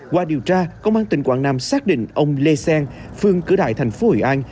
qua điều tra công an tỉnh quảng nam xác định ông lê xen phương cửa đại thành phố hội an